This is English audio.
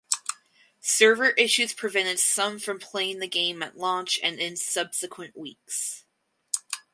Server issues prevented some from playing the game at launch and in subsequent weeks.